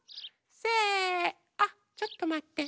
せあっちょっとまって。